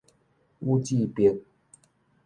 宇志白